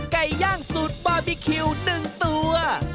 ไก่ย่างสูตรบาร์บีคิว๑ตัว